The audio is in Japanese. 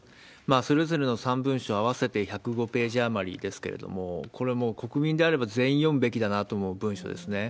それぞれの３文書合わせて１０５ページ余りですけれども、これはもう国民であれば、全員読むべきだなと思う文書ですね。